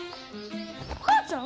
お母ちゃん？